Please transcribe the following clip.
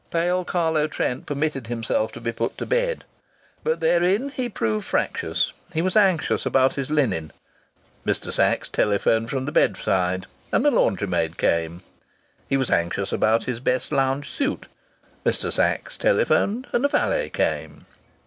Pale Carlo Trent permitted himself to be put to bed. But, therein, he proved fractious. He was anxious about his linen. Mr. Sachs telephoned from the bedside, and a laundry maid came. He was anxious about his best lounge suit. Mr. Sachs telephoned, and a valet came.